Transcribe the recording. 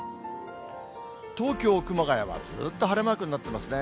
東京、熊谷はずっと晴れマークになってますね。